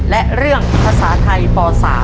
และเรื่องภาษาไทยป๓